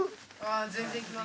全然行きます。